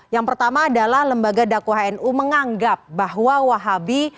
yang pertama adalah lembaga daku hnu menganggap bahwa wahabi